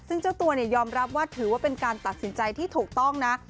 ซึ่งเจ้าตัวยอมรับว่าถือว่าเป็นการตัดสินใจที่ถูกต้องนะ